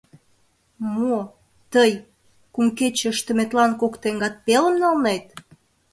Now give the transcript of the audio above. Мо... тый... кум кече ыштыметлан кок теҥгат пелым налнет?